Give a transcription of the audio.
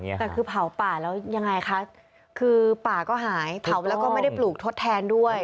แต่คือเผาป่าแล้วยังไงคะคือป่าก็หายเผาแล้วก็ไม่ได้ปลูกทดแทนด้วย